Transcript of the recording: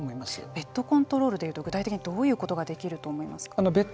ベッドコントロールで言うと具体的にどういうことができると思いますか。